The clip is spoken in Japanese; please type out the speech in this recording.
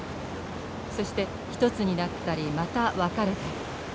そして一つになったりまた分かれたり。